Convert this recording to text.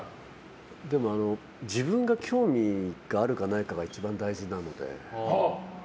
でも自分が興味があるかないかが一番大事なので。